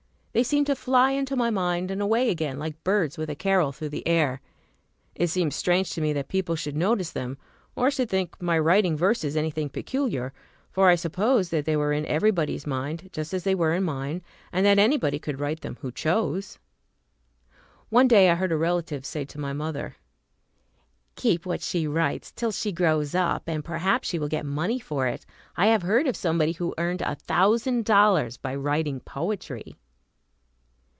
They seemed to fly into my mind and away again, like birds with a carol through the air. It seemed strange to me that people should notice them, or should think my writing verses anything peculiar; for I supposed that they were in everybody's mind, just as they were in mine, and that anybody could write them who chose. One day I heard a relative say to my mother, "Keep what she writes till she grows up, and perhaps she will get money for it. I have heard of somebody who earned a thousand dollars by writing poetry."